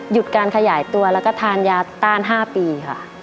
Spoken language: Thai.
การขยายตัวแล้วก็ทานยาต้าน๕ปีค่ะ